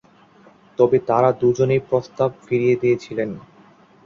তবে তারা দুজনেই প্রস্তাব ফিরিয়ে দিয়েছিলেন।